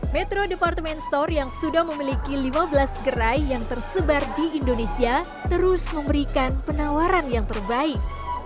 metro departemen store yang sudah memiliki lima belas gerai yang tersebar di indonesia terus memberikan penawaran yang terbaik